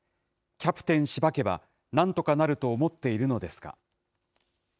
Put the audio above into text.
キャプテンしばけばなんとかなると思っているのですか。